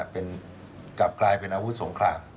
กลับกลายเป็นอาวุธสงคราม